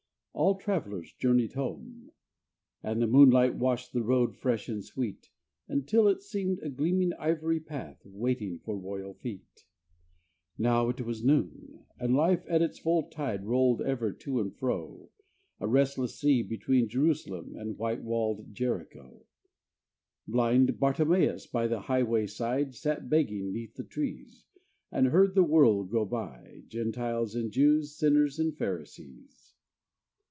All travellers journeyed home, and the moonlight Washed the road fresh and sweet, Until it seemed a gleaming ivory path, Waiting for royal feet. Now it was noon, and life at its full tide Rolled ever to and fro, A restless sea, between Jerusalem And white walled Jericho. Blind Bartimeus, by the highway side, Sat begging 'neath the trees, And heard the world go by, Gentiles and Jews, Sinners and Pharisees.